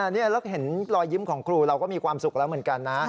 นี่เราเห็นรอยยิ้มของครูเราก็มีความสุขแล้วเหมือนกันนะ